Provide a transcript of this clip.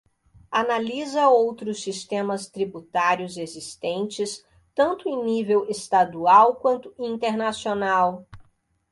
Analisa outros sistemas tributários existentes tanto em nível estadual quanto internacional.